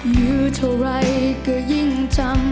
อยู่เท่าไรก็ยิ่งจำ